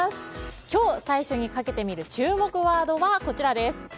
今日、最初にかけてみる注目ワードはこちらです。